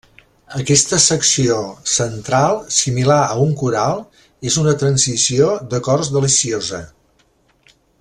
Aquesta secció central similar a un coral és una transició d'acords deliciosa.